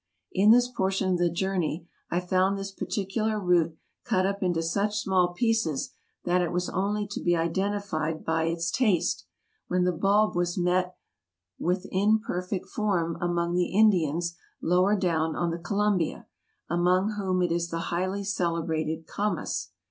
In this portion of the journey I found this particular root cut up into such small pieces that it was only to be identified by its taste, when the bulb was met with in perfect form among the Indians lower down on the Columbia, among whom it is the highly celebrated kamas.